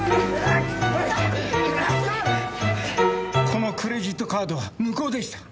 このクレジットカードは無効でした。